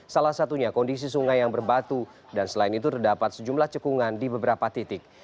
salah satunya kondisi sungai yang berbatu dan selain itu terdapat sejumlah cekungan di beberapa titik